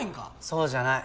そうじゃない。